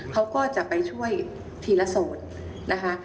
เขาก็จะไปช่วยทีละโสดนะคะ